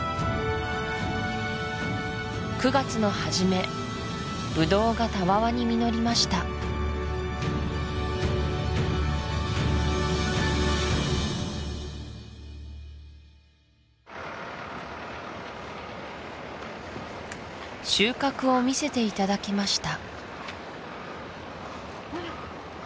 ９月の初めブドウがたわわに実りました収穫を見せていただきました